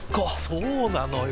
そうなのよ。